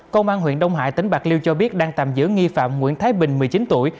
công an huyện đông hải tỉnh bạc liêu cho biết đang tạm giữ nghi phạm nguyễn thái bình một mươi chín tuổi